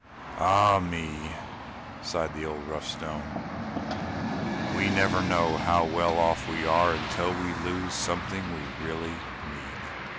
"Ah me!" sighed the old, rough Stone, "We never know how well off we are until we lose something we really need!"